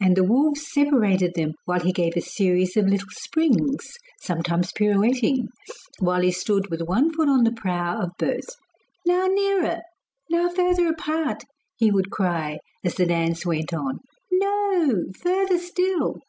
And the wolves separated them while he gave a series of little springs, sometime pirouetting while he stood with one foot on the prow of both. 'Now nearer, now further apart,' he would cry as the dance went on. 'No! further still.